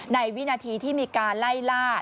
วินาทีที่มีการไล่ล่า